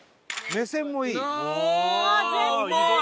目線もいい。